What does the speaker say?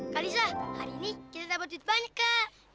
kalisah hari ini kita dapat duit banyak kak